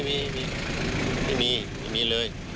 ไม่มีไม่มีไม่มีไม่มีเลย